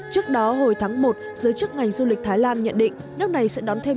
trước đó hồi tháng một giới chức ngành du lịch thái lan nhận định nước này sẽ đón thêm